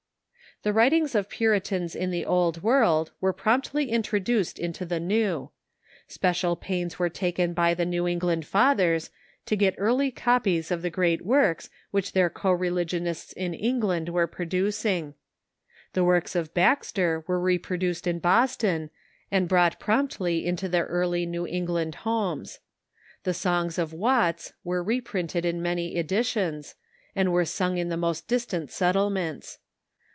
The writings of Puritans in the Old World were promptly introduced into the New. Special pains were taken by the New England fathers to get earlj^ copies of the English Books orreat works which their co religionists in Eng in New England *.° land were producing. The works of Baxter were reproduced in Boston, and brought promptly into the early New England homes. The songs of Watts were reprinted in many editions, and were sung in the most distant settlements.